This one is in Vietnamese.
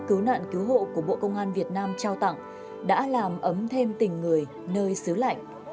cứu nạn cứu hộ của bộ công an việt nam trao tặng đã làm ấm thêm tình người nơi xứ lạnh